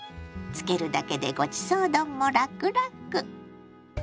つけるだけでごちそう丼もラクラク！